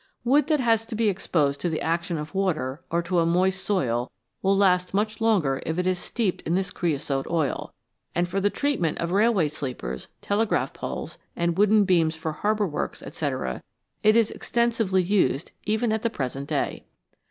Wood that has to be exposed to the action of water or to a moist soil will last much longer if it is steeped in this creosote oil ; and for the treatment of railway sleepers, telegraph poles, and wooden beams for harbour works, &c., it is extensively used even at the present day.